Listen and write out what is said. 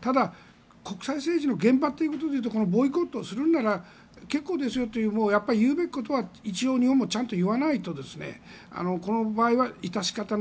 ただ、国際政治の現場という意味で言うとこのボイコットするのなら結構ですよとやっぱり言うべきことは一応日本もちゃんと言わないとこの場合は致し方ない